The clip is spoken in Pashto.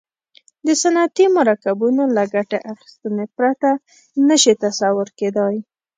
د صنعتي مرکبونو له ګټې اخیستنې پرته نه شي تصور کیدای.